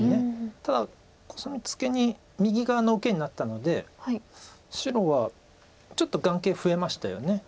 ただコスミツケに右側の受けになったので白はちょっと眼形増えましたよね。